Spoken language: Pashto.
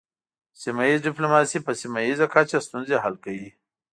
سیمه ایز ډیپلوماسي په سیمه ایزه کچه ستونزې حل کوي